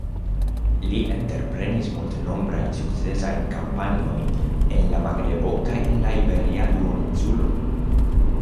Li entreprenis multnombrajn sukcesajn kampanjojn en la Magrebo kaj en la Iberia duoninsulo.